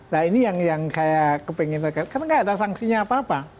nah ini yang saya kepinginkan karena nggak ada sanksinya apa apa